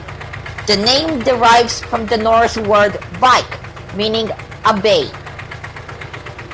The name derives from the Norse word "Vik" meaning 'a bay'.